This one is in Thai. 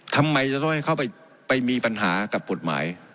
ทำไมจะต้องให้เขาไปไปมีปัญหากับปฏิบัติหมาย